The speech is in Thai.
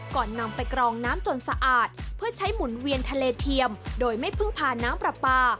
ก่อนนำไปกรองน้ำจนสะอาดเพื่อใช้หมุนเวียนทะเลเทียมโดยไม่พึ่งพาน้ำปลาปลา